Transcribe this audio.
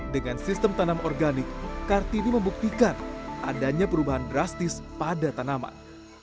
dengan sistem tanam organik kartini membuktikan adanya perubahan drastis pada tanaman